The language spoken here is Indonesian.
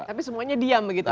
tapi semuanya diam begitu